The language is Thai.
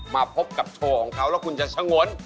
มาพบกับโชว์ของเขาแล้วคุณจะชะงน